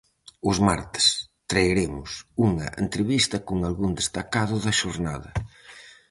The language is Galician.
Os martes traeremos unha entrevista con algún destacado da xornada.